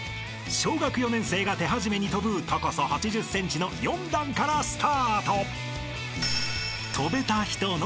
［小学４年生が手始めに跳ぶ高さ８０ｃｍの４段からスタート］